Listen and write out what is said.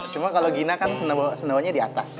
cuma kalau gina kan senawanya di atas